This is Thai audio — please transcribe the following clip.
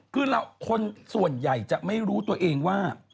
คือคนส่วนใหญ่จะไม่รู้ตัวเองว่า